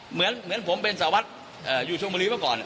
เหมือนผมเป็นสาวัสดิ์อยู่ช่วงบริวัตรก่อน